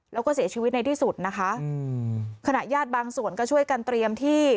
แล้วก็เสียชีวิตในที่สุดนะคะอืมขณะญาติบางส่วนก็ช่วยกันเตรียมที่